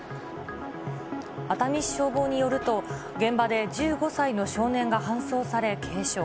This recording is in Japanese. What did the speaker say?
熱海市消防によると、現場で１５歳の少年が搬送され、軽傷。